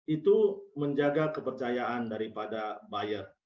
itu menjaga kepercayaan daripada buyer